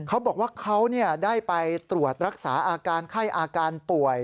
เขาบอกว่าเขาได้ไปตรวจรักษาอาการไข้อาการป่วย